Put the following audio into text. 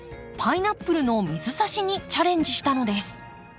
パイナップルの水さしにチャレンジしたのです。